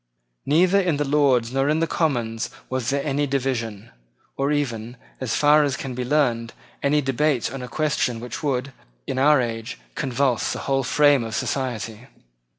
Neither in the Lords nor in the Commons was there any division, or even, as far as can now be learned, any debate on a question which would, in our age, convulse the whole frame of society.